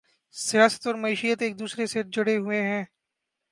سیاست اور معیشت ایک دوسرے سے جڑے ہوئے ہیں